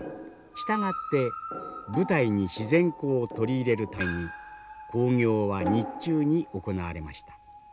従って舞台に自然光を採り入れるために興行は日中に行われました。